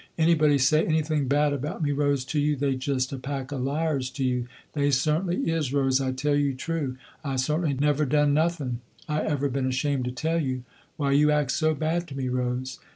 Anybody say anything bad about me Rose, to you, they just a pack of liars to you, they certainly is Rose, I tell you true. I certainly never done nothing I ever been ashamed to tell you. Why you act so bad to me Rose.